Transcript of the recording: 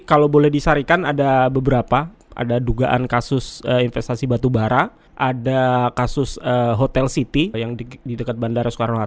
ada kasus tabung tanah